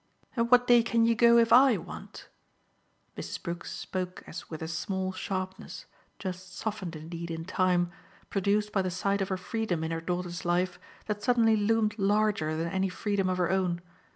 "And what day can you go if I want?" Mrs. Brook spoke as with a small sharpness just softened indeed in time produced by the sight of a freedom in her daughter's life that suddenly loomed larger than any freedom of her own.